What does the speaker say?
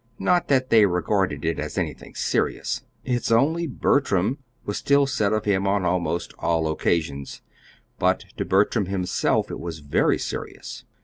Not that they regarded it as anything serious "it's only Bertram" was still said of him on almost all occasions. But to Bertram himself it was very serious.